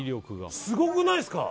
すごくないですか。